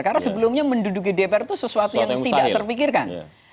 karena sebelumnya menduduki dpr itu sesuatu yang tidak terpikirkan